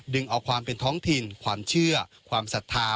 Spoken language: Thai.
ดึงเอาความเป็นท้องถิ่นความเชื่อความศรัทธา